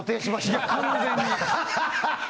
いや、完全に。